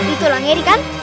itulah ngeri kan